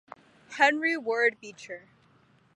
Henry Ward Beecher.